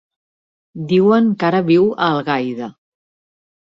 Diuen que ara viu a Algaida.